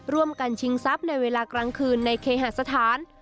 ร่วมกันชิงทรัพย์ในเวลากลางคืนในเคหาสถาน